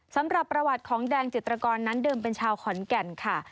สำหรับประวัติของแดงจิตรกรนั้นเดิมเป็นชาวขอนแก่นค่ะ